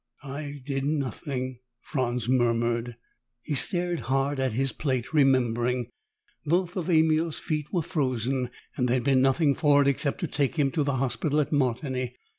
"I did nothing," Franz murmured. He stared hard at his plate, remembering. Both of Emil's feet were frozen, and there'd been nothing for it except to take him to the hospital at Martigny.